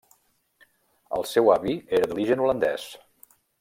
El seu avi era d'origen holandès.